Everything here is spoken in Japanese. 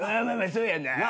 そうやな。